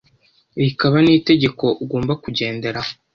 rikaba n’itegeko ugomba kugenderaho